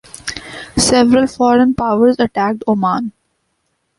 Several foreign powers attacked Oman.